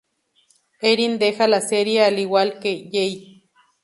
Erin deja la serie al igual que Jay.